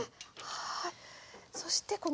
はい。